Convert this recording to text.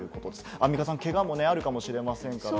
アンミカさん、けがもあるかもしれませんからね。